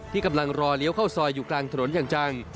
กำลังรอเลี้ยวเข้าซอยอยู่กลางถนนอย่างจัง